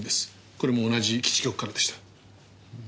これも同じ基地局からでした。